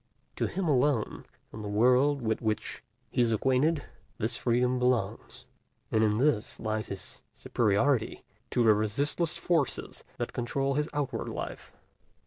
To him alone, in the world with which he is acquainted, this freedom belongs; and in this lies his superiority to the resistless forces that control his outward life.